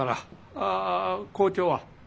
ああ校長は？